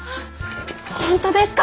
本当ですか！？